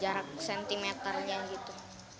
jarak sentimeternya gitu